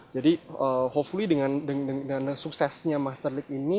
jadi hopefully dengan suksesnya master league ini